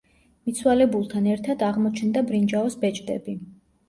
მიცვალებულთან ერთად აღმოჩნდა ბრინჯაოს ბეჭდები.